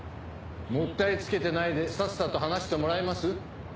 もったいつけてないでさっさと話してもらえます？